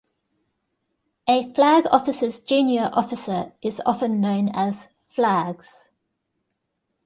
A flag officer's junior officer is often known as "Flags".